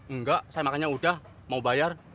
enggak saya makan nya udah mau bayar